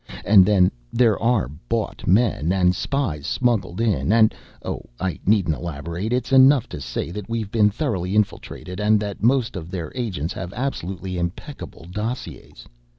And then there are bought men, and spies smuggled in, and oh, I needn't elaborate. It's enough to say that we've been thoroughly infiltrated, and that most of their agents have absolutely impeccable dossiers.